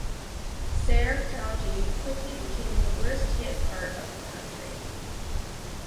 Saare County quickly became the worst hit part of the country.